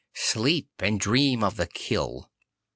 Sleep and dream of the kill.